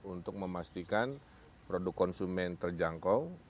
untuk memastikan produk konsumen terjangkau